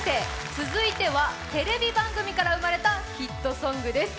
続いてはテレビ番組から生まれたヒットソングです。